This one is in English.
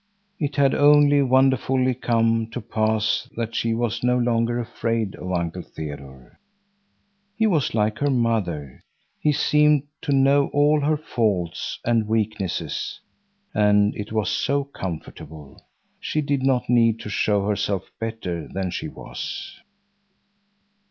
It had only wonderfully come to pass that she was no longer afraid of Uncle Theodore. He was like her mother; he seemed to know all her faults and weaknesses, and it was so comfortable. She did not need to show herself better than she was.